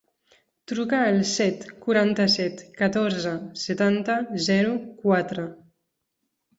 Truca al set, quaranta-set, catorze, setanta, zero, quatre.